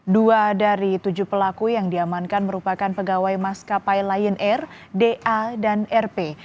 dua dari tujuh pelaku yang diamankan merupakan pegawai maskapai lion air da dan rp